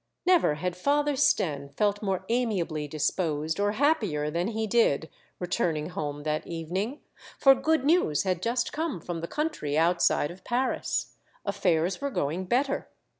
Never had Father Stenne felt more amiably dis posed or happier than he did, returning home that evening. For good news had just come from the country outside of Paris ; affairs were going better.